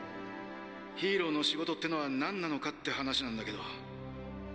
ヒーローの仕事ってのは何なのかって話なんだけど。